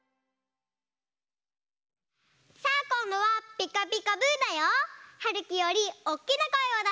さあこんどは「ピカピカブ！」だよ。はるきよりおっきなこえをだしてね！